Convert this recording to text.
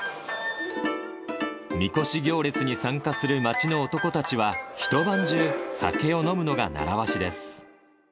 みこし行列に参加する町の男たちは、一晩中、酒を飲むのが習わしです。